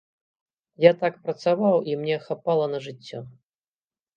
Я так працаваў, і мне хапала на жыццё.